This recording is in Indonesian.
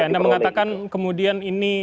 anda mengatakan kemudian ini